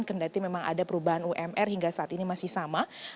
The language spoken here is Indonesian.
kendati memang ada perubahan umr hingga saat ini masih sama